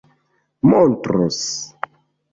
montros